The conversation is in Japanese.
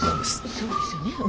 そうですよねうん。